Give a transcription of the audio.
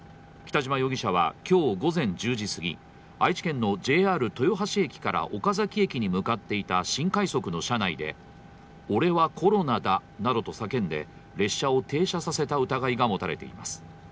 北島容疑者は今日午前１０時過ぎ、愛知県のＪＲ豊橋駅から岡崎駅に向かっていた新快速の車内で俺はコロナだなどと叫んで列車を停車させた疑いが持たれています。